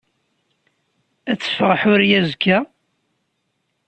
Ad teffeɣ Ḥuriya azekka?